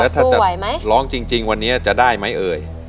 แล้วถ้าจะร้องจริงวันนี้จะได้ไหมเอ่ย